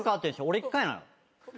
俺１回なの。